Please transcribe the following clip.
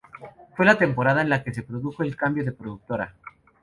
Fue la temporada en la que se produjo el cambio de productora.